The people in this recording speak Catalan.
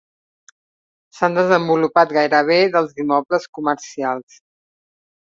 S'han desenvolupat gairebé dels immobles comercials.